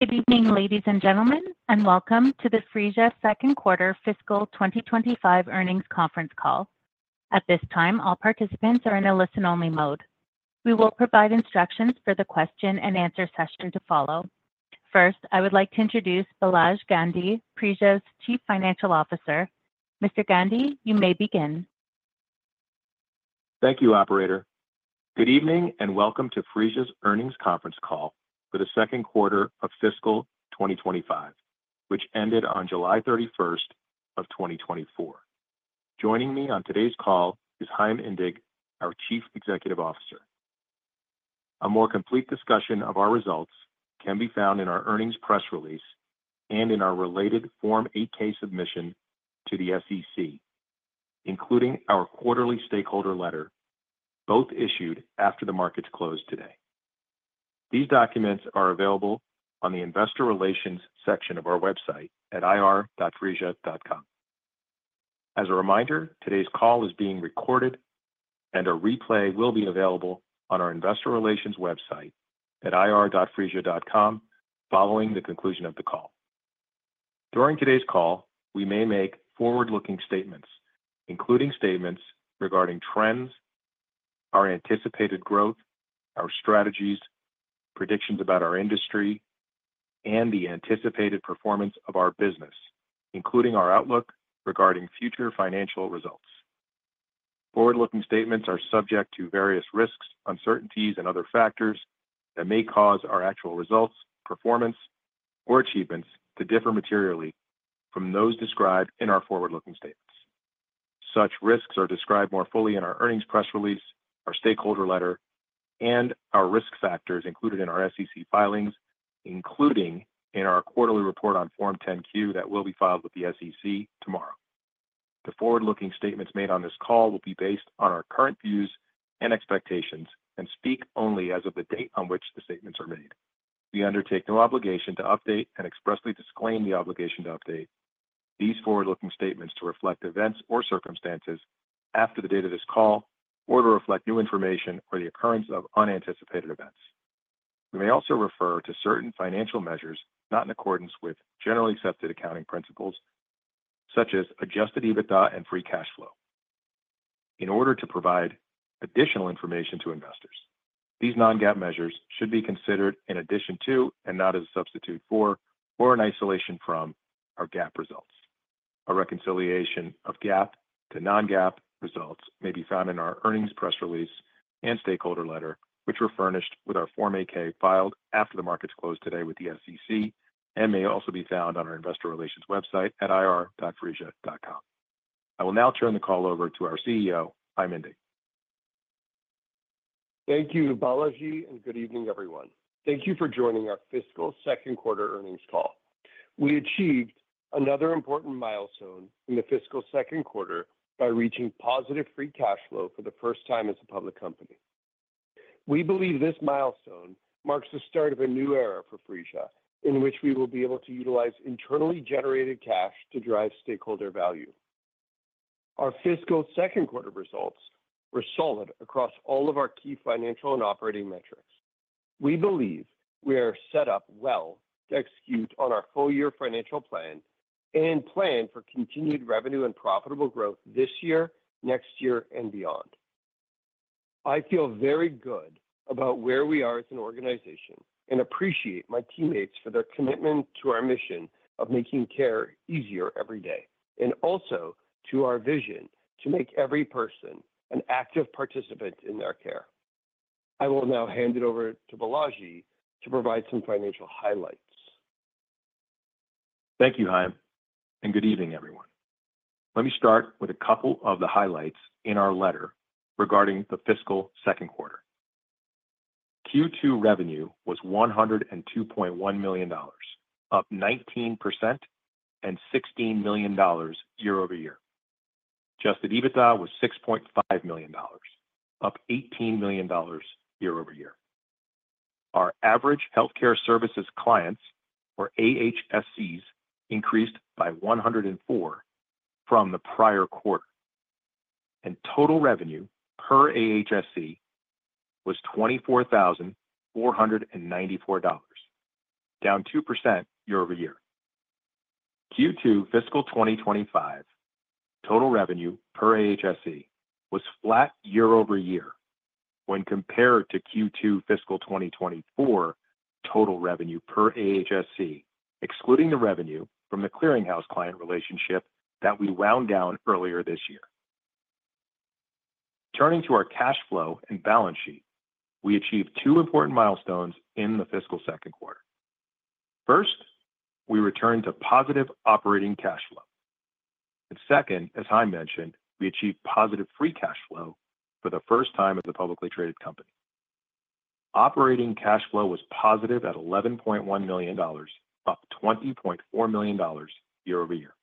Good evening, ladies and gentlemen, and welcome to the Phreesia Second Quarter Fiscal 2025 Earnings Conference Call. At this time, all participants are in a listen-only mode. We will provide instructions for the question-and-answer session to follow. First, I would like to introduce Balaji Gandhi, Phreesia's Chief Financial Officer. Mr. Gandhi, you may begin. Thank you, operator. Good evening, and welcome to Phreesia's earnings conference call for the second quarter of fiscal 2025, which ended on July 31st of 2024. Joining me on today's call is Chaim Indig, our Chief Executive Officer. A more complete discussion of our results can be found in our earnings press release and in our related Form 8-K submission to the SEC, including our quarterly stakeholder letter, both issued after the markets closed today. These documents are available on the investor relations section of our website at ir.phreesia.com. As a reminder, today's call is being recorded, and a replay will be available on our investor relations website at ir.phreesia.com following the conclusion of the call. During today's call, we may make forward-looking statements, including statements regarding trends, our anticipated growth, our strategies, predictions about our industry, and the anticipated performance of our business, including our outlook regarding future financial results. Forward-looking statements are subject to various risks, uncertainties, and other factors that may cause our actual results, performance, or achievements to differ materially from those described in our forward-looking statements. Such risks are described more fully in our earnings press release, our stakeholder letter, and our risk factors included in our SEC filings, including in our quarterly report on Form 10-Q that will be filed with the SEC tomorrow. The forward-looking statements made on this call will be based on our current views and expectations and speak only as of the date on which the statements are made. We undertake no obligation to update and expressly disclaim the obligation to update these forward-looking statements to reflect events or circumstances after the date of this call or to reflect new information or the occurrence of unanticipated events. We may also refer to certain financial measures not in accordance with generally accepted accounting principles, such as Adjusted EBITDA and Free Cash Flow, in order to provide additional information to investors. These non-GAAP measures should be considered in addition to, and not as a substitute for, or in isolation from, our GAAP results. A reconciliation of GAAP to non-GAAP results may be found in our earnings press release and stakeholder letter, which were furnished with our Form 8-K filed after the markets closed today with the SEC and may also be found on our investor relations website at ir.phreesia.com. I will now turn the call over to our CEO, Chaim Indig. Thank you, Balaji, and good evening, everyone. Thank you for joining our fiscal second quarter earnings call. We achieved another important milestone in the fiscal second quarter by reaching positive free cash flow for the first time as a public company. We believe this milestone marks the start of a new era for Phreesia, in which we will be able to utilize internally generated cash to drive stakeholder value. Our fiscal second quarter results were solid across all of our key financial and operating metrics. We believe we are set up well to execute on our full year financial plan and plan for continued revenue and profitable growth this year, next year, and beyond. I feel very good about where we are as an organization and appreciate my teammates for their commitment to our mission of making care easier every day, and also to our vision to make every person an active participant in their care. I will now hand it over to Balaji to provide some financial highlights. Thank you, Chaim, and good evening, everyone. Let me start with a couple of the highlights in our letter regarding the fiscal second quarter. Q2 revenue was $102.1 million, up 19% and $16 million year-over-year. Adjusted EBITDA was $6.5 million, up $18 million year-over-year. Our average healthcare services clients, or AHSCs, increased by 104 from the prior quarter, and total revenue per AHSC was $24,494, down 2% year-over-year. Q2 fiscal 2025 total revenue per AHSC was flat year-over-year when compared to Q2 fiscal 2024 total revenue per AHSC, excluding the revenue from the clearinghouse client relationship that we wound down earlier this year. Turning to our cash flow and balance sheet, we achieved two important milestones in the fiscal second quarter. First, we returned to positive operating cash flow. And second, as Chaim mentioned, we achieved positive free cash flow for the first time as a publicly traded company. Operating cash flow was positive at $11.1 million, up $20.4 million year-over-year.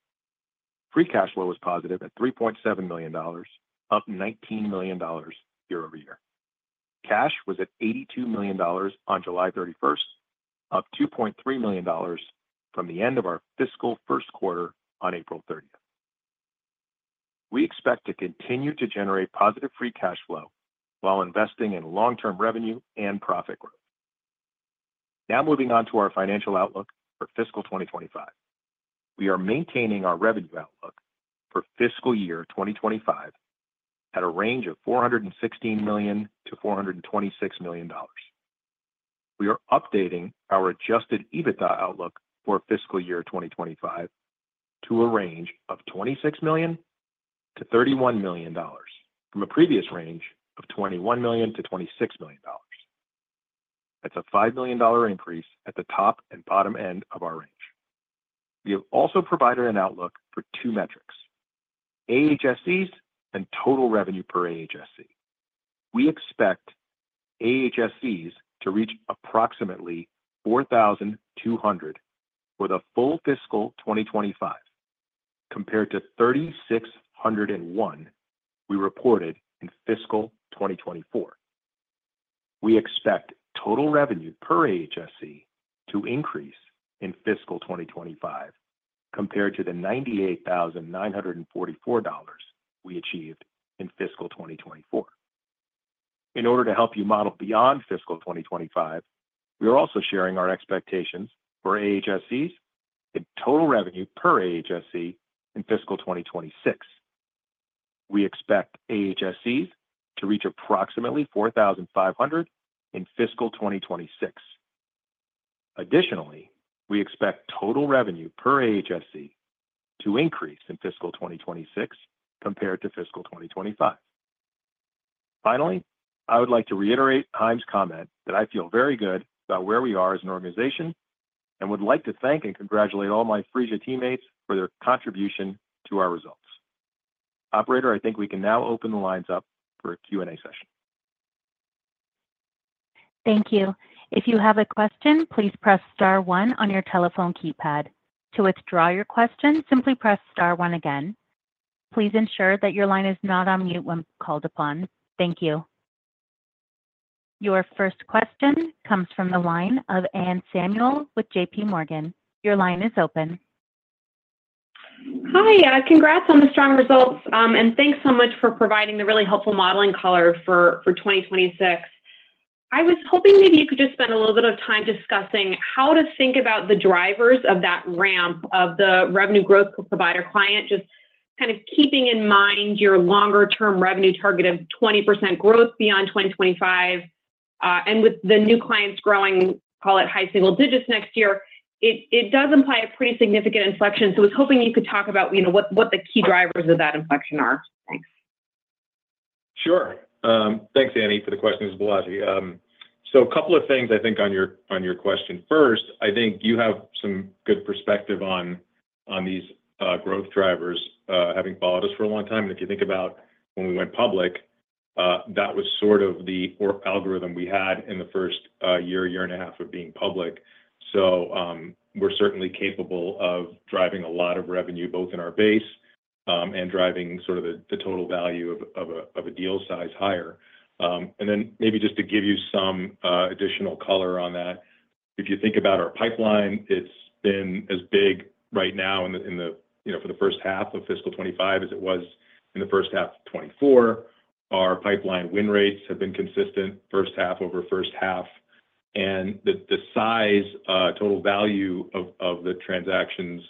Free cash flow was positive at $3.7 million, up $19 million year-over-year. Cash was at $82 million on July thirty-first, up $2.3 million from the end of our fiscal first quarter on April thirtieth. We expect to continue to generate positive free cash flow while investing in long-term revenue and profit growth. Now, moving on to our financial outlook for fiscal 2025. We are maintaining our revenue outlook for fiscal year 2025 at a range of $416 million-$426 million. We are updating our adjusted EBITDA outlook for fiscal year 2025 to a range of $26 million-$31 million, from a previous range of $21 million-$26 million. That's a $5 million increase at the top and bottom end of our range. We have also provided an outlook for two metrics: AHSCs and total revenue per AHSC. We expect AHSCs to reach approximately 4,200 for the full fiscal 2025, compared to 3,601 we reported in fiscal 2024. We expect total revenue per AHSC to increase in fiscal 2025 compared to the $98,944 we achieved in fiscal 2024. In order to help you model beyond fiscal 2025, we are also sharing our expectations for AHSCs and total revenue per AHSC in fiscal 2026. We expect AHSCs to reach approximately 4,500 in fiscal 2026. Additionally, we expect total revenue per AHSC to increase in fiscal 2026 compared to fiscal 2025. Finally, I would like to reiterate Chaim's comment that I feel very good about where we are as an organization, and would like to thank and congratulate all my Phreesia teammates for their contribution to our results. Operator, I think we can now open the lines up for a Q&A session. Thank you. If you have a question, please press star one on your telephone keypad. To withdraw your question, simply press star one again. Please ensure that your line is not on mute when called upon. Thank you. Your first question comes from the line of Anne Samuel with J.P. Morgan. Your line is open. Hi, congrats on the strong results, and thanks so much for providing the really helpful modeling color for 2026. I was hoping maybe you could just spend a little bit of time discussing how to think about the drivers of that ramp of the revenue growth provider client, just kind of keeping in mind your longer term revenue target of 20% growth beyond 2025, and with the new clients growing, call it high single digits next year, it does imply a pretty significant inflection, so I was hoping you could talk about, you know, what the key drivers of that inflection are. Thanks. Sure. Thanks, Anne, for the question. Balaji. So a couple of things I think on your question. First, I think you have some good perspective on these growth drivers, having followed us for a long time. And if you think about when we went public, that was sort of the core algorithm we had in the first year and a half of being public. So, we're certainly capable of driving a lot of revenue, both in our base and driving sort of the total value of a deal size higher. And then maybe just to give you some additional color on that, if you think about our pipeline, it's been as big right now, you know, for the first half of fiscal 2025, as it was in the first half of 2024. Our pipeline win rates have been consistent first half over first half, and the size total value of the transactions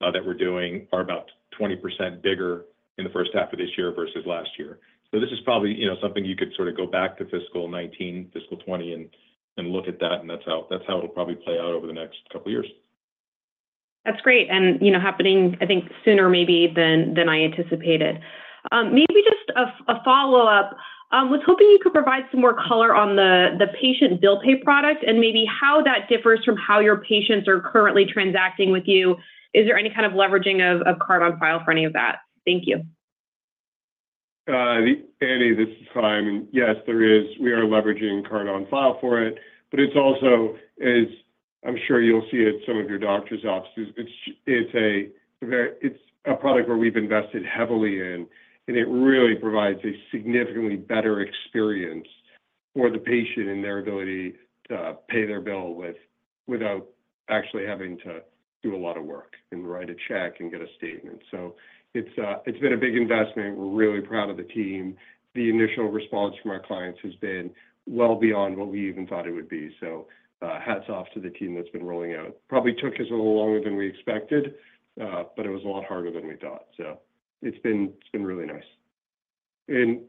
that we're doing are about 20% bigger in the first half of this year versus last year. So this is probably, you know, something you could sort of go back to fiscal 2019, fiscal 2020 and look at that, and that's how it'll probably play out over the next couple of years. That's great, and, you know, happening, I think, sooner maybe than I anticipated. Maybe just a follow-up. Was hoping you could provide some more color on the patient bill pay product and maybe how that differs from how your patients are currently transacting with you. Is there any kind of leveraging of card on file for any of that? Thank you. Anne, this is Chaim, and yes, there is. We are leveraging card on file for it, but it's also, as I'm sure you'll see at some of your doctor's offices, it's a product where we've invested heavily in, and it really provides a significantly better experience for the patient and their ability to pay their bill without actually having to do a lot of work and write a check and get a statement. So it's been a big investment. We're really proud of the team. The initial response from our clients has been well beyond what we even thought it would be. So, hats off to the team that's been rolling out. Probably took us a little longer than we expected, but it was a lot harder than we thought. So it's been really nice.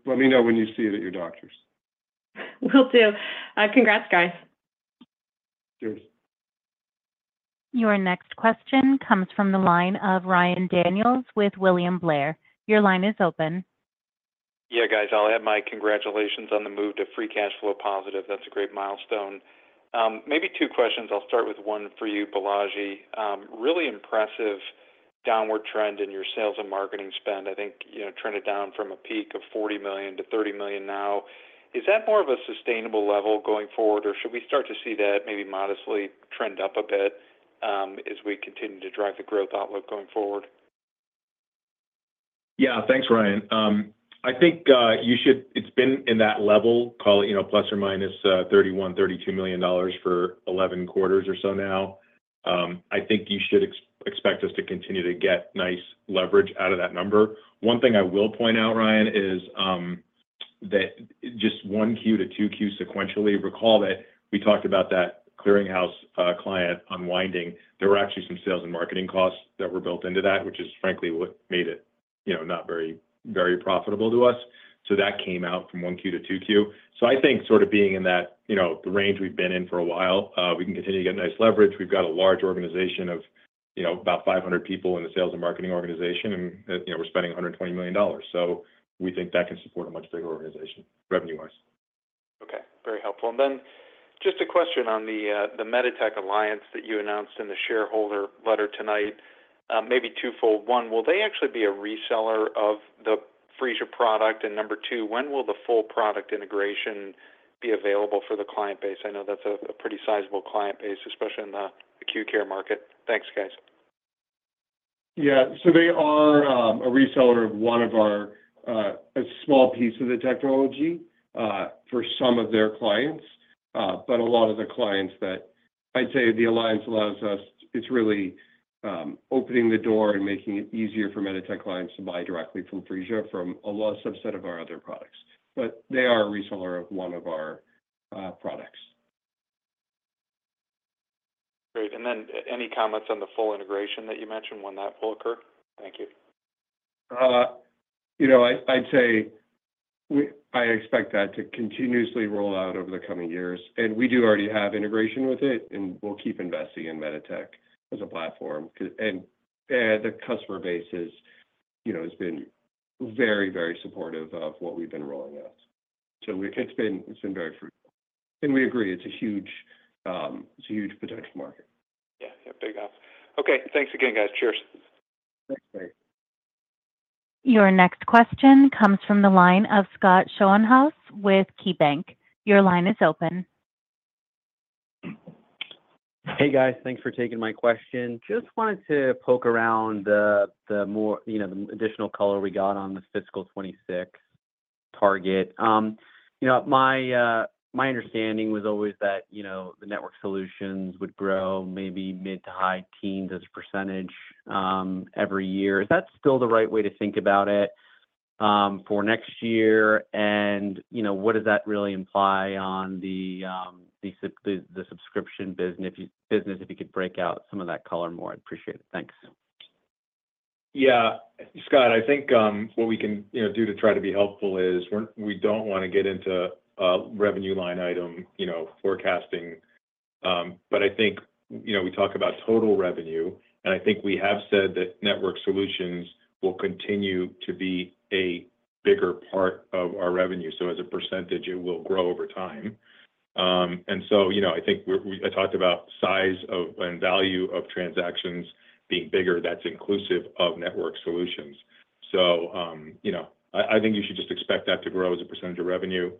Let me know when you see it at your doctor's. Will do. Congrats, guys. Cheers. Your next question comes from the line of Ryan Daniels with William Blair. Your line is open. Yeah, guys, I'll add my congratulations on the move to free cash flow positive. That's a great milestone. Maybe two questions. I'll start with one for you, Balaji. Really impressive downward trend in your sales and marketing spend. I think, you know, trend it down from a peak of $40 million-$30 million now. Is that more of a sustainable level going forward, or should we start to see that maybe modestly trend up a bit, as we continue to drive the growth outlook going forward? Yeah. Thanks, Ryan. I think you should. It's been in that level, call it, you know, plus or minus $31-$32 million for 11 quarters or so now. I think you should expect us to continue to get nice leverage out of that number. One thing I will point out, Ryan, is that just 1Q to 2Q sequentially, recall that we talked about that clearinghouse client unwinding. There were actually some sales and marketing costs that were built into that, which is frankly what made it, you know, not very, very profitable to us. So that came out from one Q to 2Q. So I think sort of being in that, you know, the range we've been in for a while, we can continue to get nice leverage. We've got a large organization of, you know, about 500 people in the sales and marketing organization, and, you know, we're spending $120 million. So we think that can support a much bigger organization, revenue-wise. Okay, very helpful. And then just a question on the MEDITECH alliance that you announced in the shareholder letter tonight. Maybe twofold: One, will they actually be a reseller of the Phreesia product? And number two, when will the full product integration be available for the client base? I know that's a pretty sizable client base, especially in the acute care market. Thanks, guys. Yeah. So they are a reseller of one of our, a small piece of the technology, for some of their clients. But a lot of the clients that I'd say the alliance allows us... It's really opening the door and making it easier for MEDITECH clients to buy directly from Phreesia from a large subset of our other products. But they are a reseller of one of our products. Great. And then any comments on the full integration that you mentioned, when that will occur? Thank you. You know, I'd say I expect that to continuously roll out over the coming years, and we do already have integration with it, and we'll keep investing in MEDITECH as a platform. And the customer base is, you know, has been very, very supportive of what we've been rolling out. So it's been very fruitful. And we agree, it's a huge potential market. Yeah, yeah, big enough. Okay, thanks again, guys. Cheers. Thanks, Ryan. Your next question comes from the line of Scott Schoenhaus with KeyBank. Your line is open. Hey, guys. Thanks for taking my question. Just wanted to poke around the more, you know, the additional color we got on this fiscal 2026 target. You know, my understanding was always that, you know, the network solutions would grow maybe mid- to high-teens as a percentage every year. Is that still the right way to think about it for next year? And, you know, what does that really imply on the subscription business if you could break out some of that color more, I'd appreciate it. Thanks. Yeah. Scott, I think what we can, you know, do to try to be helpful is we don't want to get into revenue line item, you know, forecasting. But I think, you know, we talk about total revenue, and I think we have said that network solutions will continue to be a bigger part of our revenue. So as a percentage, it will grow over time. And so, you know, I think I talked about size of and value of transactions being bigger, that's inclusive of network solutions. So, you know, I think you should just expect that to grow as a percentage of revenue.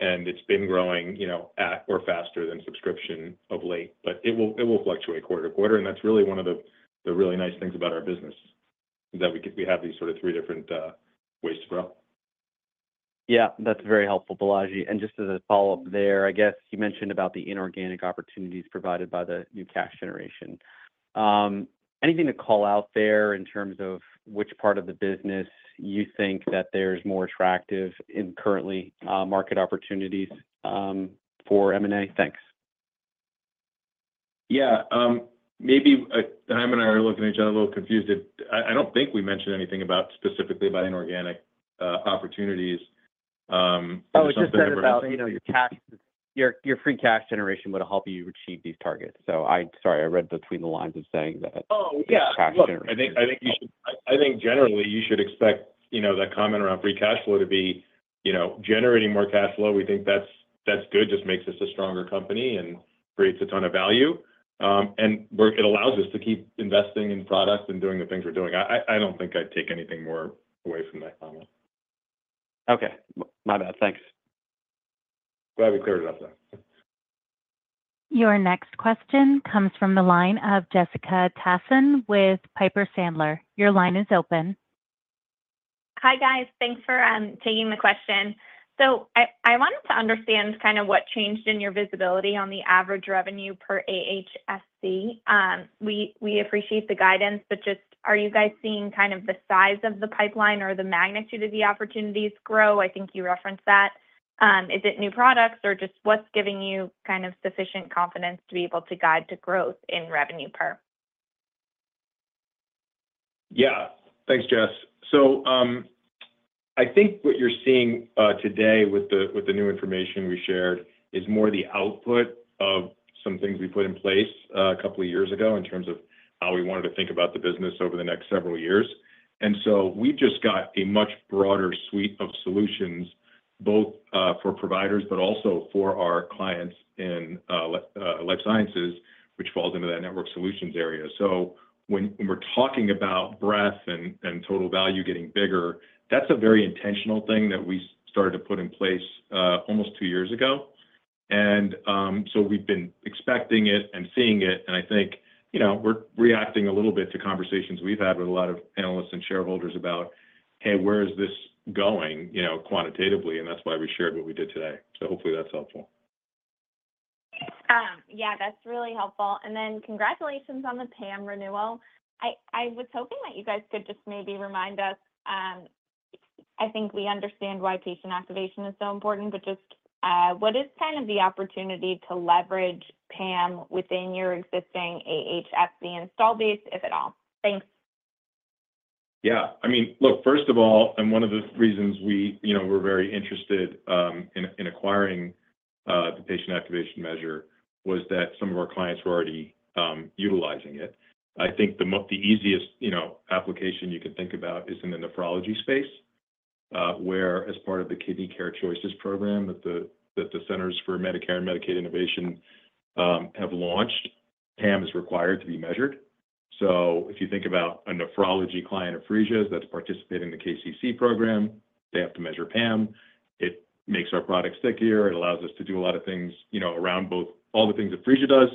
And it's been growing, you know, at or faster than subscription of late, but it will fluctuate quarter to quarter, and that's really one of the really nice things about our business, is that we have these sort of three different ways to grow. Yeah, that's very helpful, Balaji. And just as a follow-up there, I guess you mentioned about the inorganic opportunities provided by the new cash generation. Anything to call out there in terms of which part of the business you think that there's more attractive in currently, market opportunities, for M&A? Thanks. Yeah, maybe... Chaim and I are looking at each other a little confused. I don't think we mentioned anything about, specifically about inorganic opportunities, or just- Oh, it just said about, you know, your cash, your free cash generation would help you achieve these targets. So I... Sorry, I read between the lines of saying that- Oh, yeah -cash generation. Look, I think you should expect, you know, that comment around free cash flow to be, you know, generating more cash flow. We think that's good, just makes us a stronger company and creates a ton of value. It allows us to keep investing in products and doing the things we're doing. I don't think I'd take anything more away from that comment. Okay. My bad. Thanks. Glad we cleared it up, then. Your next question comes from the line of Jessica Tassan with Piper Sandler. Your line is open. Hi, guys. Thanks for taking the question. So I wanted to understand kind of what changed in your visibility on the average revenue per AHSC. We appreciate the guidance, but just, are you guys seeing kind of the size of the pipeline or the magnitude of the opportunities grow? I think you referenced that. Is it new products or just what's giving you kind of sufficient confidence to be able to guide to growth in revenue per? Yeah. Thanks, Jess. So, I think what you're seeing today with the new information we shared is more the output of some things we put in place a couple of years ago in terms of how we wanted to think about the business over the next several years. And so we've just got a much broader suite of solutions, both for providers, but also for our clients in life sciences, which falls into that network solutions area. So when we're talking about breadth and total value getting bigger, that's a very intentional thing that we started to put in place almost two years ago. And so we've been expecting it and seeing it, and I think, you know, we're reacting a little bit to conversations we've had with a lot of analysts and shareholders about... Hey, where is this going, you know, quantitatively? And that's why we shared what we did today. So hopefully that's helpful. Yeah, that's really helpful. And then congratulations on the PAM renewal. I was hoping that you guys could just maybe remind us. I think we understand why patient activation is so important, but just what is kind of the opportunity to leverage PAM within your existing AHSC install base, if at all? Thanks. Yeah. I mean, look, first of all, and one of the reasons we, you know, we're very interested in acquiring the Patient Activation Measure, was that some of our clients were already utilizing it. I think the easiest, you know, application you could think about is in the nephrology space, where as part of the Kidney Care Choices Program that the Center for Medicare and Medicaid Innovation have launched, PAM is required to be measured. So if you think about a nephrology client of Phreesia's that's participating in the KCC program, they have to measure PAM. It makes our product stickier. It allows us to do a lot of things, you know, around both, all the things that Phreesia does,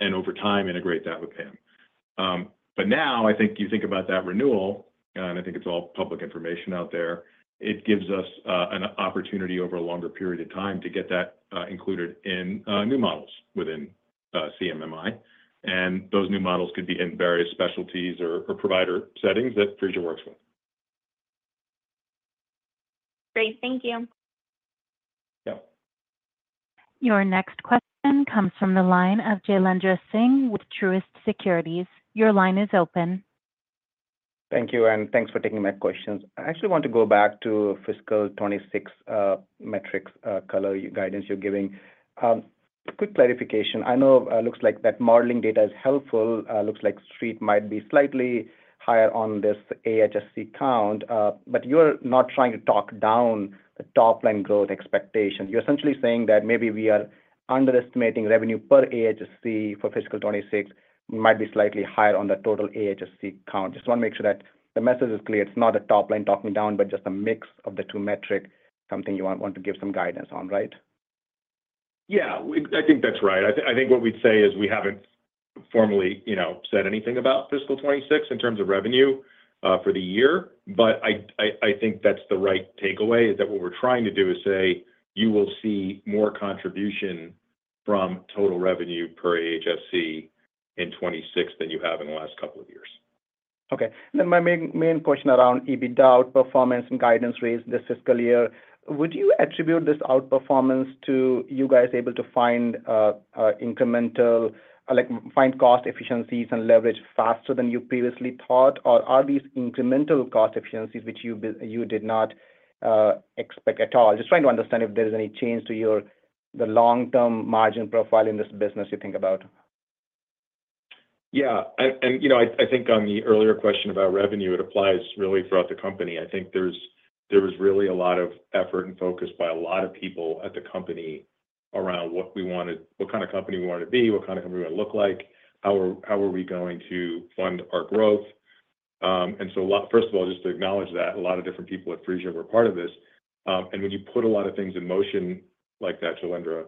and over time, integrate that with PAM. But now, I think you think about that renewal, and I think it's all public information out there. It gives us an opportunity over a longer period of time to get that included in new models within CMMI, and those new models could be in various specialties or provider settings that Phreesia works with. Great. Thank you. Yeah. Your next question comes from the line of Jailendra Singh with Truist Securities. Your line is open. Thank you, and thanks for taking my questions. I actually want to go back to fiscal twenty-six, metrics, color guidance you're giving. Quick clarification. I know, looks like that modeling data is helpful, looks like street might be slightly higher on this AHSC count, but you're not trying to talk down the top line growth expectation. You're essentially saying that maybe we are underestimating revenue per AHSC for fiscal twenty-six, might be slightly higher on the total AHSC count. Just want to make sure that the message is clear. It's not a top-line talking down, but just a mix of the two metric, something you want to give some guidance on, right? Yeah, I think that's right. I think what we'd say is we haven't formally, you know, said anything about fiscal 2026 in terms of revenue for the year, but I think that's the right takeaway, is that what we're trying to do is say you will see more contribution from total revenue per AHSC in 2026 than you have in the last couple of years. Okay. Then my main, main question around EBITDA outperformance and guidance raised this fiscal year. Would you attribute this outperformance to you guys able to find incremental, like, find cost efficiencies and leverage faster than you previously thought? Or are these incremental cost efficiencies which you did not expect at all? Just trying to understand if there is any change to your, the long-term margin profile in this business you think about. Yeah, and, you know, I think on the earlier question about revenue, it applies really throughout the company. I think there's, there was really a lot of effort and focus by a lot of people at the company around what we wanted-- what kind of company we wanted to be, what kind of company we want to look like, how are we going to fund our growth. And so a lot. First of all, just to acknowledge that a lot of different people at Phreesia were part of this. And when you put a lot of things in motion like that, Jailendra,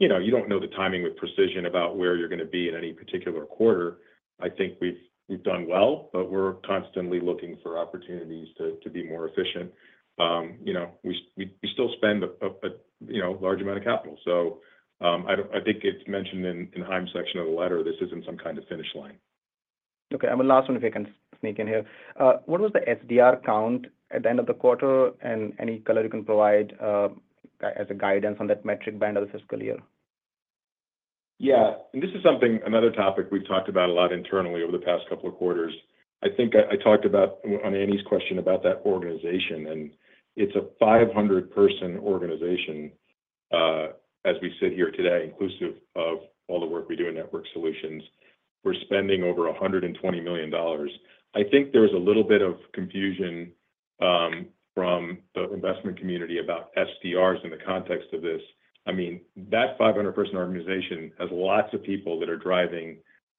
you know, you don't know the timing with precision about where you're going to be in any particular quarter. I think we've, we've done well, but we're constantly looking for opportunities to, to be more efficient. You know, we still spend a you know large amount of capital. So, I think it's mentioned in Chaim's section of the letter, this isn't some kind of finish line. Okay, and the last one, if I can sneak in here. What was the SDR count at the end of the quarter, and any color you can provide, as a guidance on that metric band of the fiscal year? Yeah. And this is something, another topic we've talked about a lot internally over the past couple of quarters. I think I talked about, on Anne's question, about that organization, and it's a 500-person organization, as we sit here today, inclusive of all the work we do in network solutions. We're spending over $120 million. I think there's a little bit of confusion from the investment community about SDRs in the context of this. I mean, that 500-person organization has lots of people that are driving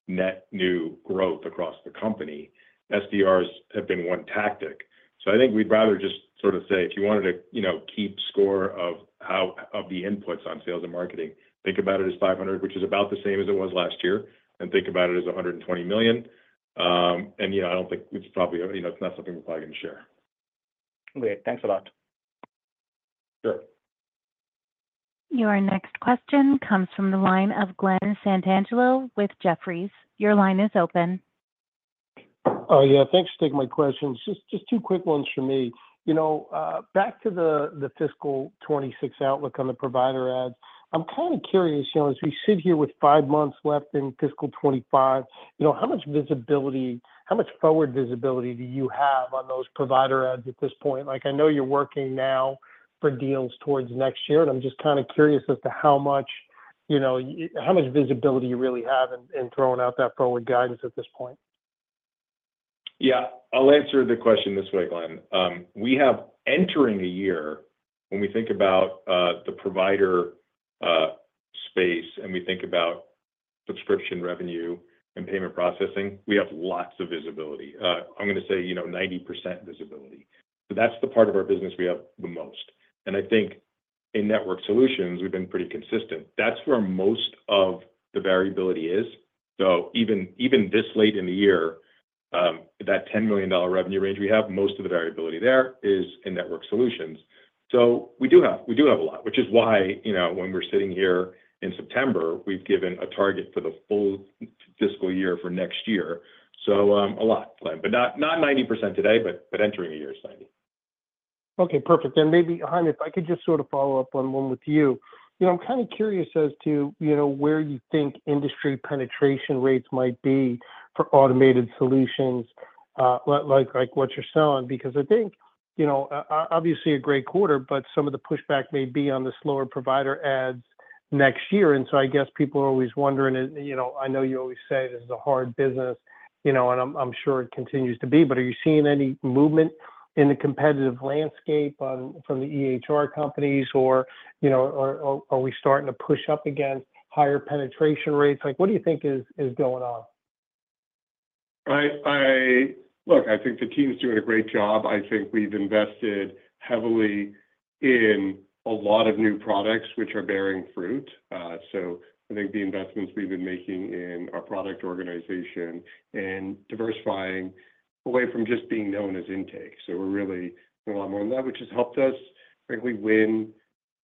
net new growth across the company. SDRs have been one tactic. I think we'd rather just sort of say, if you wanted to, you know, keep score of how, of the inputs on sales and marketing, think about it as 500, which is about the same as it was last year, and think about it as $120 million. You know, I don't think it's probably, you know, it's not something we're probably going to share. Great. Thanks a lot. Sure. Your next question comes from the line of Glenn Santangelo with Jefferies. Your line is open. Yeah, thanks for taking my questions. Just two quick ones from me. You know, back to the fiscal twenty-six outlook on the provider adds, I'm kind of curious, you know, as we sit here with five months left in fiscal twenty-five, you know, how much visibility, how much forward visibility do you have on those provider adds at this point? Like, I know you're working now for deals towards next year, and I'm just kind of curious as to how much, you know, how much visibility you really have in throwing out that forward guidance at this point. Yeah. I'll answer the question this way, Glenn. We have entering a year, when we think about the provider space, and we think about subscription revenue and payment processing, we have lots of visibility. I'm going to say, you know, 90% visibility. So that's the part of our business we have the most. And I think in network solutions, we've been pretty consistent. That's where most of the variability is. So even this late in the year, that $10 million revenue range we have, most of the variability there is in network solutions. So we do have, we do have a lot, which is why, you know, when we're sitting here in September, we've given a target for the full fiscal year for next year. So a lot, but not 90% today, but entering a year 90%. Okay, perfect. Then maybe, Chaim, if I could just sort of follow up on one with you. You know, I'm kind of curious as to, you know, where you think industry penetration rates might be for automated solutions, like what you're selling. Because I think, you know, obviously, a great quarter, but some of the pushback may be on the slower provider adds next year, and so I guess people are always wondering, and, you know, I know you always say this is a hard business, you know, and I'm sure it continues to be, but are you seeing any movement in the competitive landscape on from the EHR companies or, you know, or are we starting to push up against higher penetration rates? Like, what do you think is going on? Look, I think the team's doing a great job. I think we've invested heavily in a lot of new products, which are bearing fruit, so I think the investments we've been making in our product organization and diversifying away from just being known as intake, so we're really a lot more on that, which has helped us frankly win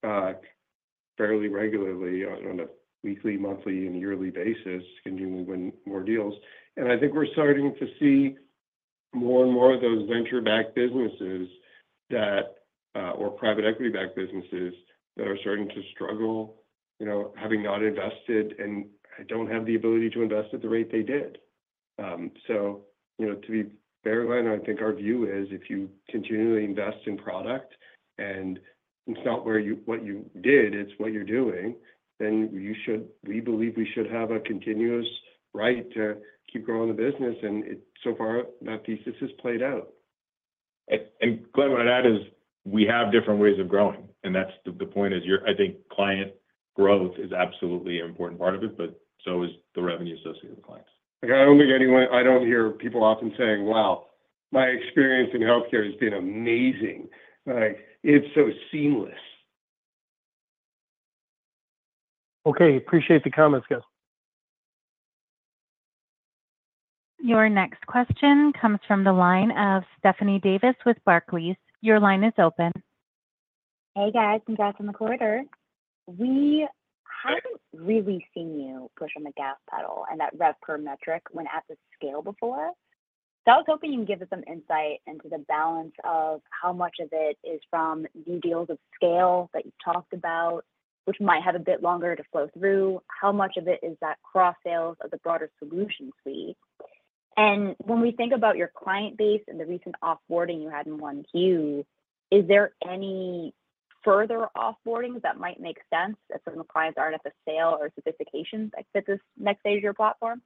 fairly regularly on a weekly, monthly, and yearly basis, continuing to win more deals, and I think we're starting to see more and more of those venture-backed businesses that or private equity-backed businesses that are starting to struggle, you know, having not invested, and I don't have the ability to invest at the rate they did. So, you know, to be very blunt, I think our view is if you continually invest in product and it's not what you did, it's what you're doing, then we believe we should have a continuous right to keep growing the business, and so far, that thesis has played out. Glenn, what I'd add is we have different ways of growing, and that's the point, I think client growth is absolutely an important part of it, but so is the revenue associated with clients. Like, I don't hear people often saying, "Wow, my experience in healthcare has been amazing. Like, it's so seamless. Okay, appreciate the comments, guys. Your next question comes from the line of Stephanie Davis with Barclays. Your line is open. Hey, guys, congrats on the quarter. We haven't really seen you push on the gas pedal, and that rev per metric when at the scale before. So I was hoping you can give us some insight into the balance of how much of it is from new deals of scale that you talked about, which might have a bit longer to flow through, how much of it is that cross sales of the broader solution suite? And when we think about your client base and the recent off-boarding you had in 1Q, is there any further off-boarding that might make sense if some clients aren't at the sale or sophistication fit this next stage of your platform?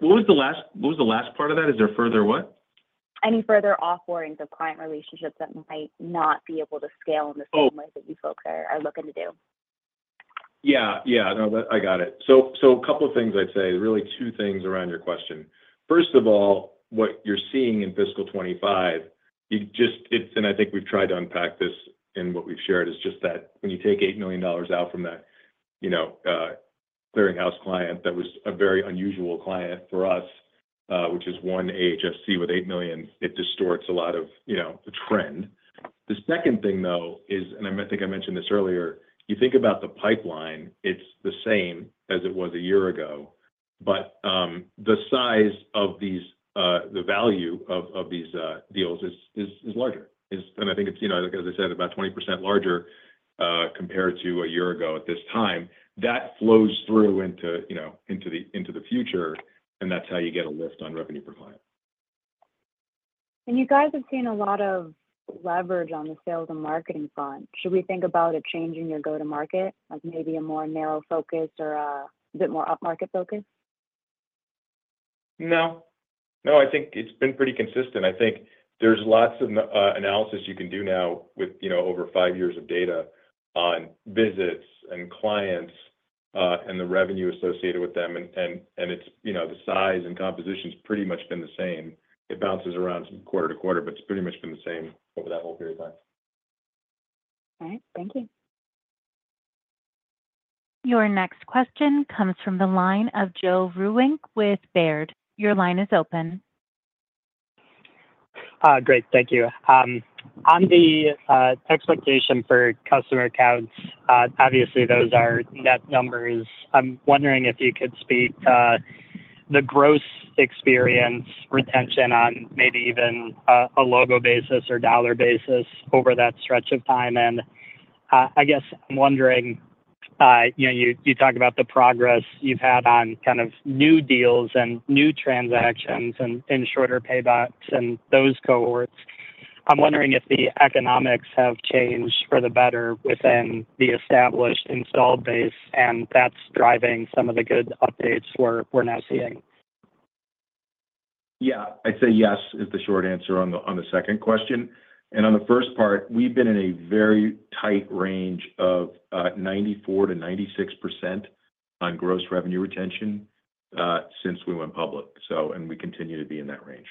What was the last part of that? Is there further what? Any further off-boardings of client relationships that might not be able to scale in the same way that you folks are looking to do? Yeah, yeah, no, I got it. So a couple of things I'd say, really two things around your question. First of all, what you're seeing in fiscal 2025, you just—it's, and I think we've tried to unpack this in what we've shared, is just that when you take $8 million out from that, you know, clearinghouse client, that was a very unusual client for us, which is one AHSC with $8 million, it distorts a lot of, you know, the trend. The second thing, though, is, and I think I mentioned this earlier, you think about the pipeline, it's the same as it was a year ago, but the size of these, the value of these deals is larger. And I think it's, you know, as I said, about 20% larger compared to a year ago at this time. That flows through into, you know, into the future, and that's how you get a lift on revenue per client. You guys have seen a lot of leverage on the sales and marketing front. Should we think about a change in your go-to-market, like maybe a more narrow focus or a bit more upmarket focus? No. No, I think it's been pretty consistent. I think there's lots of analysis you can do now with, you know, over five years of data on visits and clients, and the revenue associated with them, and, and, and it's, you know, the size and composition's pretty much been the same. It bounces around quarter to quarter, but it's pretty much been the same over that whole period of time. All right. Thank you. Your next question comes from the line of Joe Vruwink with Baird. Your line is open. Great. Thank you. On the expectation for customer counts, obviously, those are net numbers. I'm wondering if you could speak to the gross experience, retention on maybe even a logo basis or dollar basis over that stretch of time. And I guess I'm wondering, you know, you talked about the progress you've had on kind of new deals and new transactions and shorter paybacks and those cohorts. I'm wondering if the economics have changed for the better within the established installed base, and that's driving some of the good updates we're now seeing. Yeah. I'd say yes is the short answer on the second question. And on the first part, we've been in a very tight range of 94%-96% on gross revenue retention since we went public, so and we continue to be in that range.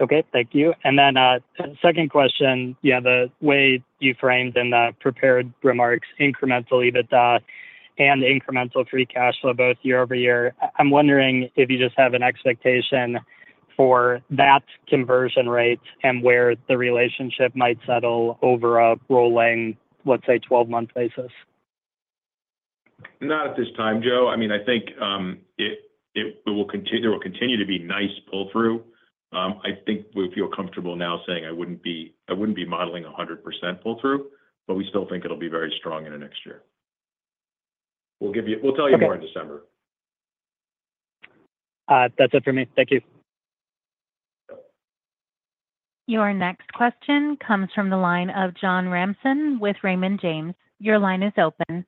Okay, thank you. And then, second question, yeah, the way you framed in the prepared remarks incrementally the DOT and the incremental Free Cash Flow, both year-over-year, I'm wondering if you just have an expectation for that conversion rate and where the relationship might settle over a rolling, let's say, twelve-month basis? Not at this time, Joe. I mean, I think there will continue to be nice pull-through. I think we feel comfortable now saying I wouldn't be modeling 100% pull-through, but we still think it'll be very strong in the next year. We'll tell you more in December. That's it for me. Thank you. Your next question comes from the line of John Ransom with Raymond James. Your line is open.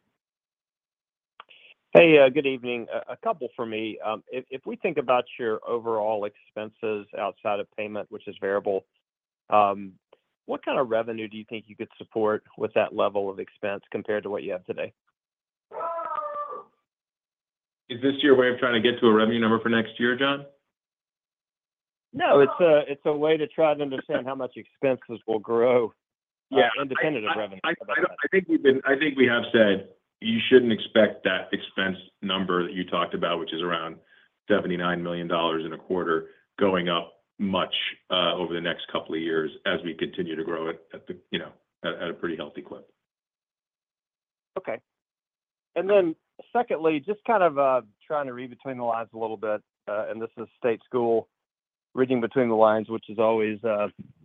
Hey, good evening. A couple for me. If we think about your overall expenses outside of payment, which is variable, what kind of revenue do you think you could support with that level of expense compared to what you have today? Is this your way of trying to get to a revenue number for next year, John? No, it's a way to try to understand how much expenses will grow- Yeah -independent of revenue. I think we have said you shouldn't expect that expense number that you talked about, which is around $79 million in a quarter, going up much over the next couple of years as we continue to grow it at, you know, at a pretty healthy clip. Okay. And then secondly, just kind of trying to read between the lines a little bit, and this is state school reading between the lines, which is always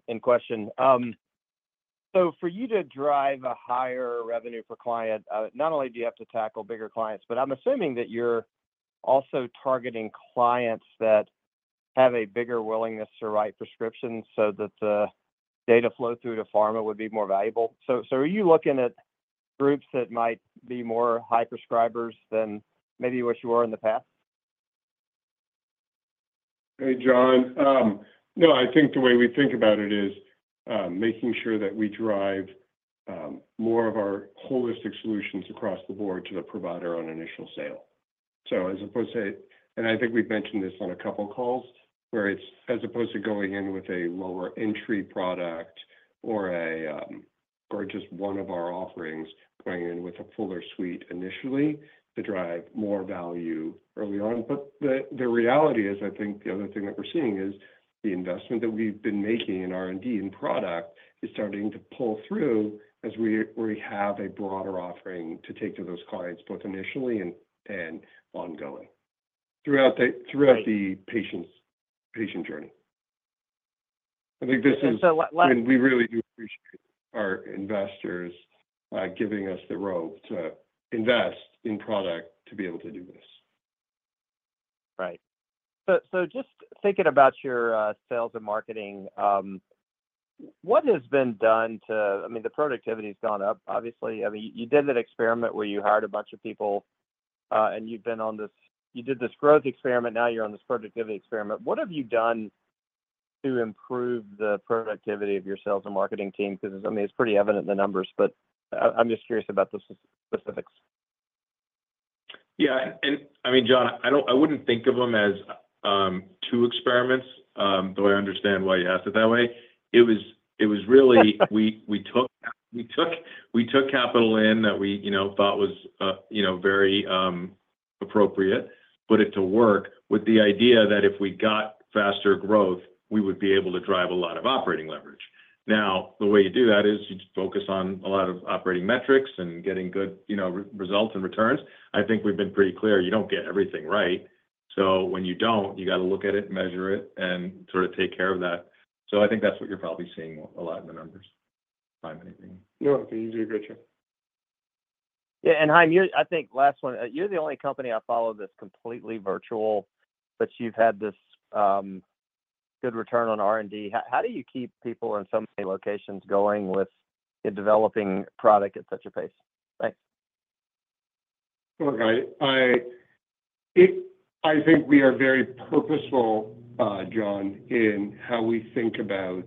in question. So for you to drive a higher revenue per client, not only do you have to tackle bigger clients, but I'm assuming that you're also targeting clients that have a bigger willingness to write prescriptions so that the data flow through to pharma would be more valuable. So are you looking at groups that might be more high prescribers than maybe what you were in the past? Hey, John. No, I think the way we think about it is, making sure that we drive, more of our holistic solutions across the board to the provider on initial sale. So as opposed to... And I think we've mentioned this on a couple of calls, where it's as opposed to going in with a lower entry product or a, or just one of our offerings going in with a fuller suite initially to drive more value early on. But the reality is, I think the other thing that we're seeing is the investment that we've been making in R&D, in product, is starting to pull through as we have a broader offering to take to those clients, both initially and ongoing throughout the- Right... throughout the patient's journey. I think this is- So what? And we really do appreciate our investors, giving us the rope to invest in product to be able to do this. Right. So, so just thinking about your sales and marketing, what has been done to, I mean, the productivity has gone up, obviously. I mean, you did that experiment where you hired a bunch of people, and you've been on this, you did this growth experiment, now you're on this productivity experiment. What have you done to improve the productivity of your sales and marketing team? Because, I mean, it's pretty evident in the numbers, but I'm just curious about the specifics. Yeah, and I mean, John, I don't—I wouldn't think of them as two experiments, though I understand why you asked it that way. It was really we took capital that we, you know, thought was, you know, very appropriate, put it to work with the idea that if we got faster growth, we would be able to drive a lot of operating leverage. Now, the way you do that is you just focus on a lot of operating metrics and getting good, you know, results and returns. I think we've been pretty clear, you don't get everything right. So when you don't, you got to look at it, measure it, and sort of take care of that. So I think that's what you're probably seeing a lot in the numbers, if I'm anything. No, easy to get you. Yeah, and Chaim, you're, I think, last one. You're the only company I follow that's completely virtual, but you've had this good return on R&D. How do you keep people in so many locations going with a developing product at such a pace? Thanks. Look, I think we are very purposeful, John, in how we think about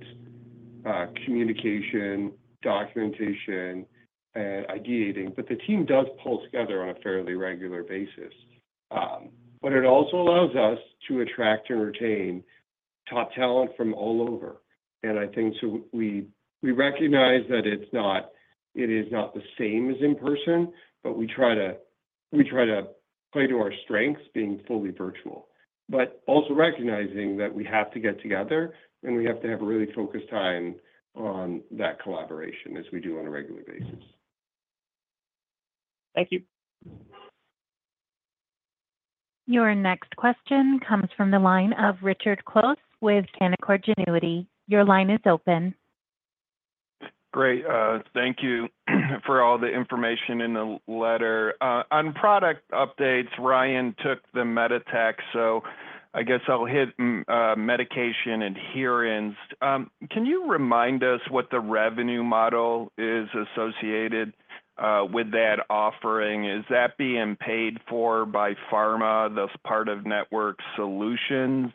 communication, documentation, and ideating, but the team does pull together on a fairly regular basis. But it also allows us to attract and retain top talent from all over. And I think so we recognize that it is not the same as in person, but we try to play to our strengths, being fully virtual, but also recognizing that we have to get together, and we have to have a really focused time on that collaboration, as we do on a regular basis. Thank you. Your next question comes from the line of Richard Close with Canaccord Genuity. Your line is open. Great. Thank you for all the information in the letter. On product updates, Ryan took the MEDITECH, so I guess I'll hit medication adherence. Can you remind us what the revenue model is associated with that offering? Is that being paid for by pharma, thus part of network solutions?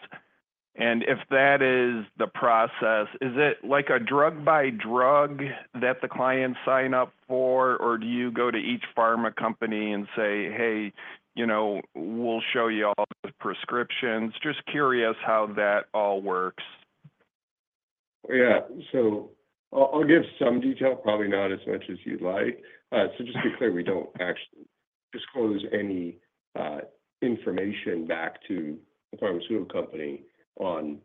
And if that is the process, is it like a drug-by-drug that the clients sign up for, or do you go to each pharma company and say, "Hey, you know, we'll show you all the prescriptions"? Just curious how that all works. Yeah. So I'll give some detail, probably not as much as you'd like. So just to be clear, we don't actually disclose any information back to the pharmaceutical company on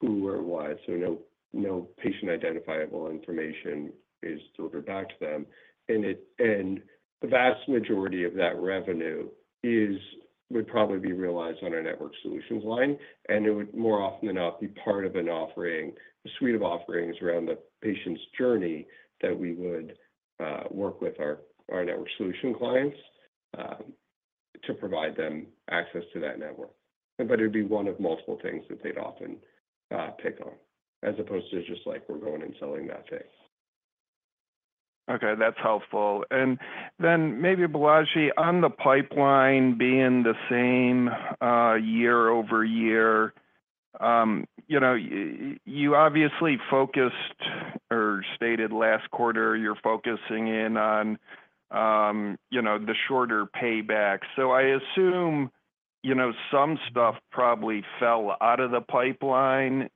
who or what, so no, no patient identifiable information is delivered back to them. And the vast majority of that revenue is, would probably be realized on our network solutions line, and it would more often than not be part of an offering, a suite of offerings around the patient's journey, that we would work with our network solutions clients to provide them access to that network. But it'd be one of multiple things that they'd often pick on, as opposed to just like we're going and selling that thing. Okay, that's helpful. And then maybe, Balaji, on the pipeline being the same year-over-year, you know, you obviously focused or stated last quarter, you're focusing in on, you know, the shorter payback. So I assume, you know, some stuff probably fell out of the pipeline,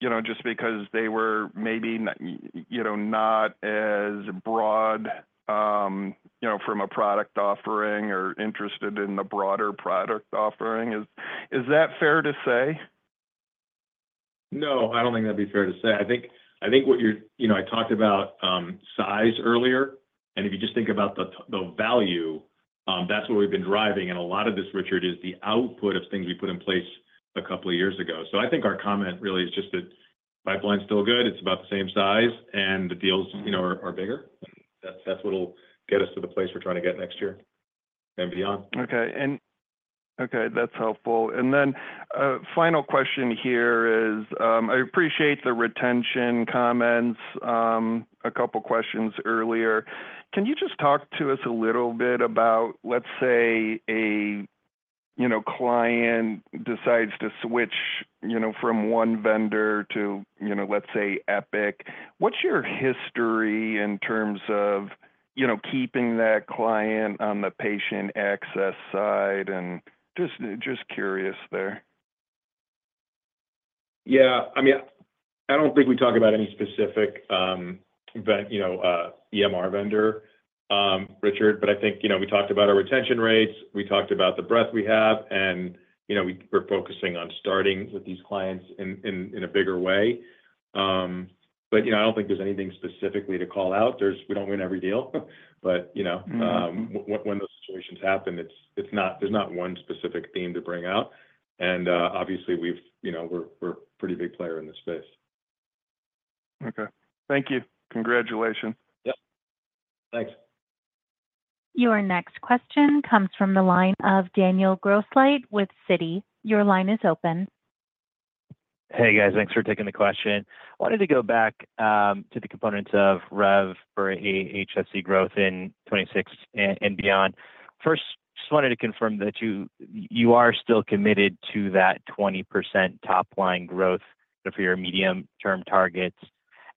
you know, just because they were maybe you know, not as broad, you know, from a product offering or interested in the broader product offering. Is that fair to say? No, I don't think that'd be fair to say. I think what you're... You know, I talked about size earlier, and if you just think about the value, that's what we've been driving. And a lot of this, Richard, is the output of things we put in place a couple of years ago. So I think our comment really is just that pipeline's still good, it's about the same size, and the deals, you know, are bigger. That's what will get us to the place we're trying to get next year and beyond. Okay, and... okay, that's helpful. And then, final question here is: I appreciate the retention comments, a couple questions earlier. Can you just talk to us a little bit about, let's say, a, you know, client decides to switch, you know, from one vendor to, you know, let's say, Epic. What's your history in terms of, you know, keeping that client on the patient access side? And just curious there. Yeah. I mean, I don't think we talk about any specific vendor, you know, EMR vendor, Richard, but I think, you know, we talked about our retention rates, we talked about the breadth we have, and, you know, we're focusing on starting with these clients in a bigger way. But, you know, I don't think there's anything specifically to call out. There's—we don't win every deal, but, you know— Mm-hmm... when those situations happen, it's not. There's not one specific theme to bring out, and obviously, you know, we're a pretty big player in this space. Okay. Thank you. Congratulations. Yep. Thanks. Your next question comes from the line of Daniel Grosslight with Citi. Your line is open. Hey, guys. Thanks for taking the question. I wanted to go back to the components of rev for AHSC growth in 2026 and beyond. First, just wanted to confirm that you are still committed to that 20% top-line growth for your medium-term targets.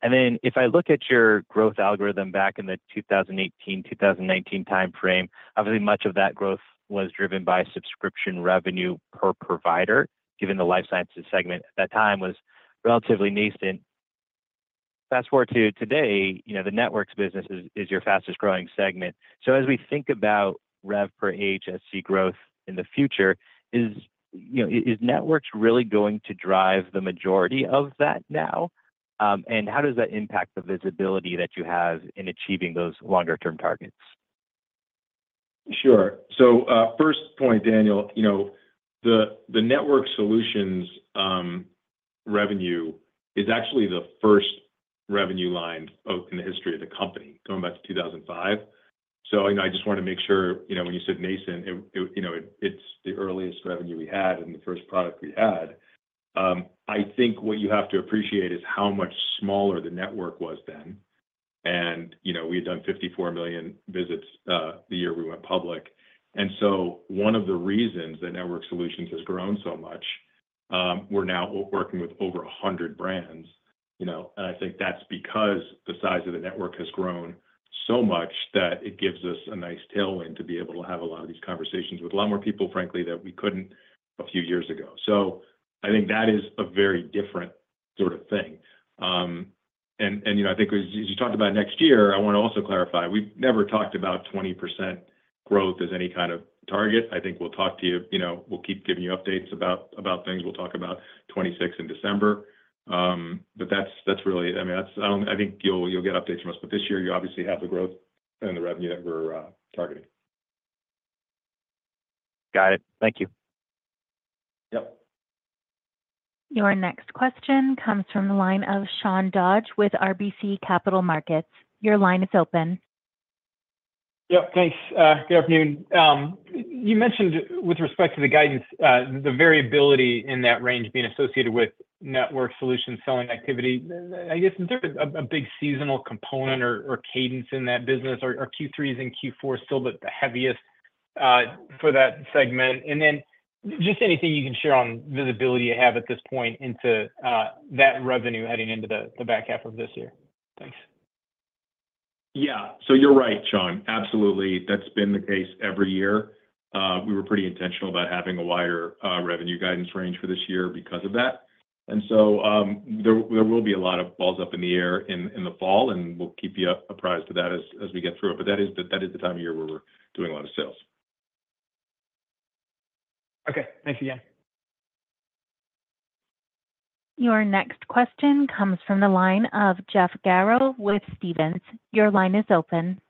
And then, if I look at your growth algorithm back in the 2018, 2019 timeframe, obviously, much of that growth was driven by subscription revenue per provider, given the life sciences segment at that time was relatively nascent. Fast-forward to today, you know, the networks business is your fastest-growing segment. So as we think about rev per HSC growth in the future, is, you know, is networks really going to drive the majority of that now? And how does that impact the visibility that you have in achieving those longer term targets? Sure. So, first point, Daniel, you know, the network solutions revenue is actually the first revenue line in the history of the company, going back to two thousand and five. So, and I just wanted to make sure, you know, when you said nascent, it you know, it's the earliest revenue we had and the first product we had. I think what you have to appreciate is how much smaller the network was then. And, you know, we had done 54 million visits the year we went public. And so one of the reasons that network solutions has grown so much, we're now working with over 100 brands, you know. I think that's because the size of the network has grown so much that it gives us a nice tailwind to be able to have a lot of these conversations with a lot more people, frankly, that we couldn't a few years ago. I think that is a very different sort of thing. You know, I think as you talked about next year, I want to also clarify. We've never talked about 20% growth as any kind of target. I think we'll talk to you, you know, we'll keep giving you updates about things. We'll talk about 2026 in December, but that's really, I mean, that's. I think you'll get updates from us, but this year you obviously have the growth and the revenue that we're targeting. Got it. Thank you. Yep. Your next question comes from the line of Sean Dodge with RBC Capital Markets. Your line is open. Yep. Thanks. Good afternoon. You mentioned with respect to the guidance, the variability in that range being associated with network solutions selling activity. I guess, is there a big seasonal component or cadence in that business? Or are Q3s and Q4 still the heaviest?... for that segment? And then just anything you can share on visibility you have at this point into that revenue heading into the back half of this year. Thanks. Yeah. So you're right, Sean. Absolutely, that's been the case every year. We were pretty intentional about having a wider revenue guidance range for this year because of that. And so, there will be a lot of balls up in the air in the fall, and we'll keep you apprised to that as we get through it. But that is the time of year where we're doing a lot of sales. Okay. Thank you, again. Your next question comes from the line of Jeff Garro with Stephens. Your line is open.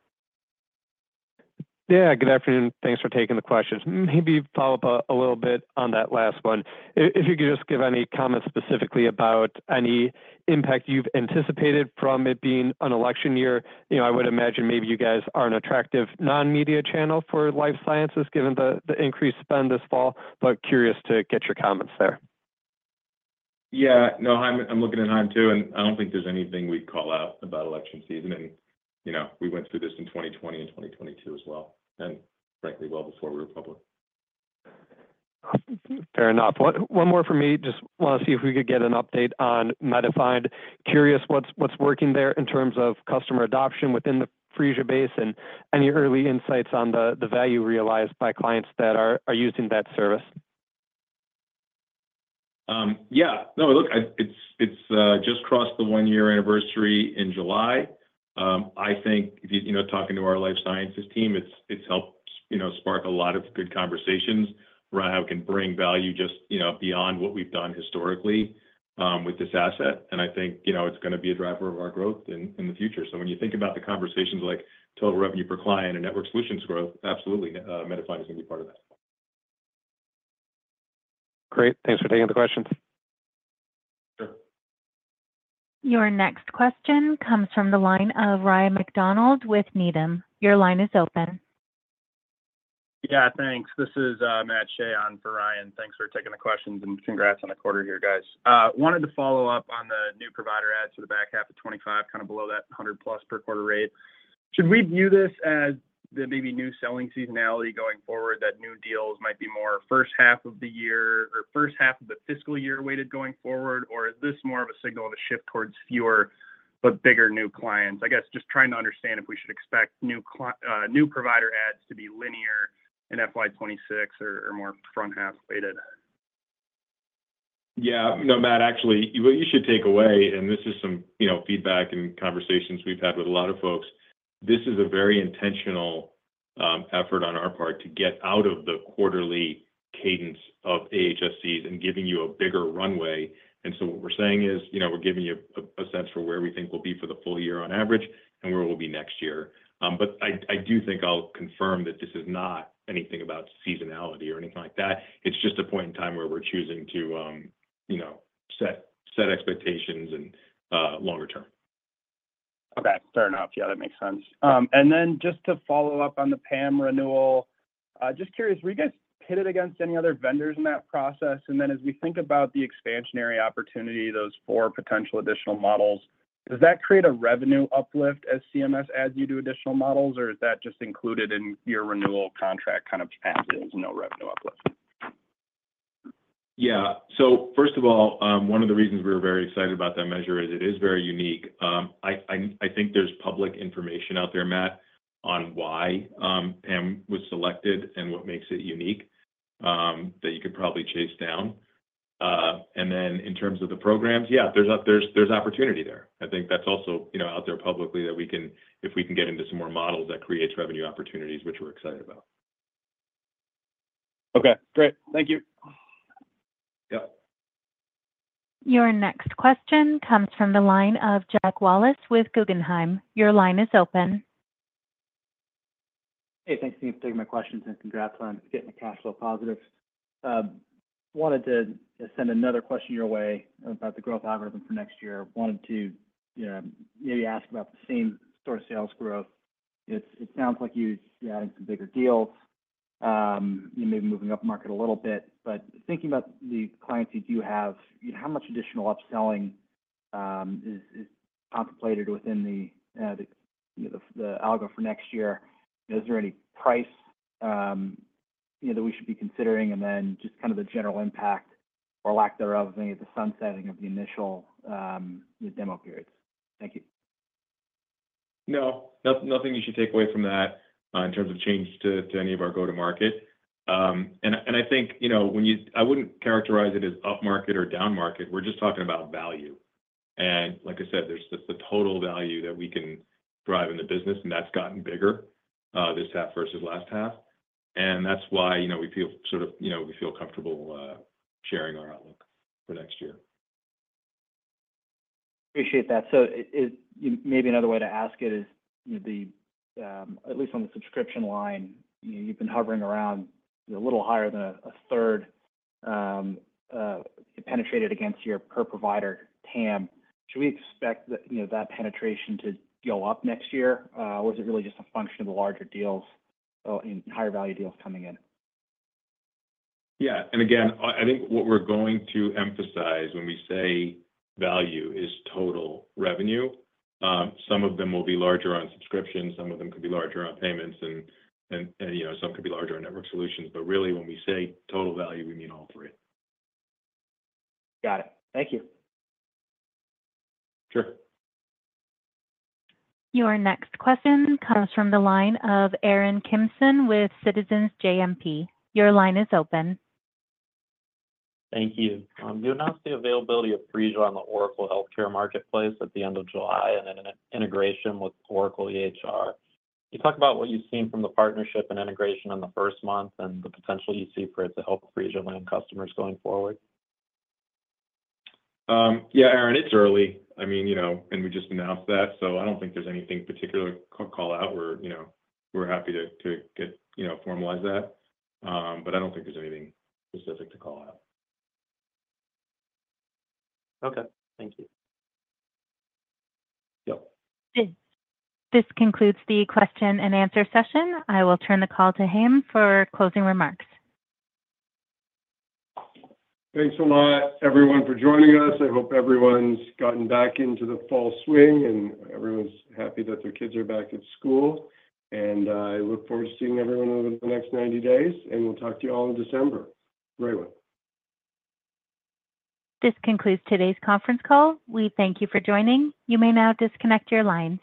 Yeah, good afternoon. Thanks for taking the questions. Maybe follow up a little bit on that last one. If you could just give any comments specifically about any impact you've anticipated from it being an election year. You know, I would imagine maybe you guys are an attractive non-media channel for life sciences, given the increased spend this fall, but curious to get your comments there. Yeah. No, I'm looking at time, too, and I don't think there's anything we'd call out about election season, and you know, we went through this in 2020 and 2022 as well, and frankly, well before we were public. Fair enough. One more for me. Just want to see if we could get an update on MediFind. Curious what's working there in terms of customer adoption within the Phreesia base, and any early insights on the value realized by clients that are using that service? Yeah. No, look, I-- it's just crossed the one-year anniversary in July. I think if you... You know, talking to our life sciences team, it's helped, you know, spark a lot of good conversations around how we can bring value just, you know, beyond what we've done historically, with this asset. And I think, you know, it's gonna be a driver of our growth in the future. So when you think about the conversations like total revenue per client and network solutions growth, absolutely, MediFind is going to be part of that. Great. Thanks for taking the questions. Sure. Your next question comes from the line of Ryan MacDonald with Needham. Your line is open. Yeah, thanks. This is Matt Shea on for Ryan. Thanks for taking the questions, and congrats on the quarter here, guys. Wanted to follow up on the new provider adds to the back half of 2025, kind of below that hundred plus per quarter rate. Should we view this as the maybe new selling seasonality going forward, that new deals might be more first half of the year or first half of the fiscal year weighted going forward? Or is this more of a signal of a shift towards fewer but bigger new clients? I guess just trying to understand if we should expect new provider adds to be linear in FY 2026 or, or more front half weighted. Yeah. No, Matt, actually, what you should take away, and this is some, you know, feedback and conversations we've had with a lot of folks, this is a very intentional effort on our part to get out of the quarterly cadence of AHSCs and giving you a bigger runway. And so what we're saying is, you know, we're giving you a sense for where we think we'll be for the full year on average and where we'll be next year. But I do think I'll confirm that this is not anything about seasonality or anything like that. It's just a point in time where we're choosing to, you know, set expectations and longer term. Okay, fair enough. Yeah, that makes sense. And then just to follow up on the PAM renewal, just curious, were you guys pitted against any other vendors in that process? And then as we think about the expansionary opportunity, those four potential additional models, does that create a revenue uplift as CMS adds you to additional models, or is that just included in your renewal contract, kind of as no revenue uplift? Yeah. So first of all, one of the reasons we were very excited about that measure is it is very unique. I think there's public information out there, Matt, on why PAM was selected and what makes it unique, that you could probably chase down. And then in terms of the programs, yeah, there's opportunity there. I think that's also, you know, out there publicly, if we can get into some more models, that creates revenue opportunities, which we're excited about. Okay, great. Thank you. Yep. Your next question comes from the line of Jack Wallace with Guggenheim. Your line is open. Hey, thanks for taking my questions, and congrats on getting the cash flow positive. Wanted to send another question your way about the growth algorithm for next year. Wanted to, you know, maybe ask about the same sort of sales growth. It sounds like you're adding some bigger deals, you may be moving upmarket a little bit. But thinking about the clients you do have, how much additional upselling is contemplated within the algo for next year? Is there any price, you know, that we should be considering? And then just kind of the general impact or lack thereof of the sunsetting of the initial demo periods. Thank you. No, no- nothing you should take away from that, in terms of change to any of our go-to-market. And I think, you know, when you-- I wouldn't characterize it as upmarket or downmarket, we're just talking about value. And like I said, there's just the total value that we can drive in the business, and that's gotten bigger, this half versus last half. And that's why, you know, we feel sort of... You know, we feel comfortable, sharing our outlook for next year. Appreciate that. So it maybe another way to ask it is, at least on the subscription line, you've been hovering around a little higher than a third penetrated against your per provider TAM. Should we expect that, you know, that penetration to go up next year? Or is it really just a function of the larger deals or, and higher value deals coming in? Yeah, and again, I think what we're going to emphasize when we say value is total revenue. Some of them will be larger on subscriptions, some of them could be larger on payments, and you know, some could be larger on network solutions, but really, when we say total value, we mean all three. Got it. Thank you. Sure. Your next question comes from the line of Aaron Kimson with Citizens JMP. Your line is open. Thank you. You announced the availability of Phreesia on the Oracle Healthcare Marketplace at the end of July, and then an integration with Oracle EHR. Can you talk about what you've seen from the partnership and integration in the first month and the potential you see for it to help Phreesia land customers going forward? Yeah, Aaron, it's early. I mean, you know, and we just announced that, so I don't think there's anything particular to call out where, you know, we're happy to get, you know, formalize that. But I don't think there's anything specific to call out. Okay. Thank you. Yep. This concludes the question-and-answer session. I will turn the call to Chaim for closing remarks. Thanks a lot, everyone, for joining us. I hope everyone's gotten back into the fall swing, and everyone's happy that their kids are back at school, and I look forward to seeing everyone over the next ninety days, and we'll talk to you all in December. Bye-bye. This concludes today's conference call. We thank you for joining. You may now disconnect your lines.